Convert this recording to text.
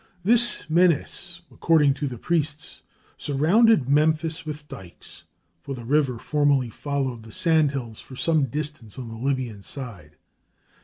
"This Menes, according to the priests, surrounded Memphis with dikes. For the river formerly followed the sand hills for some distance on the Libyan side.